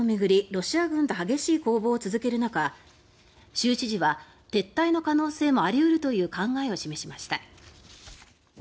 ロシア軍と激しい攻防を続ける中州知事は撤退の可能性もあり得るという考えを示しました。